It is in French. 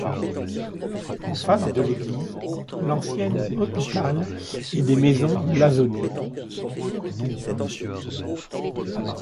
En face de l'église, l'ancien hôpital et des maisons blasonnées.